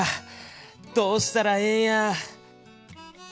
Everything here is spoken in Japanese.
どうしたらええんや。